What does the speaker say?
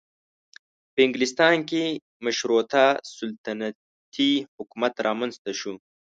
په انګلستان کې مشروطه سلطنتي حکومت رامنځته شو.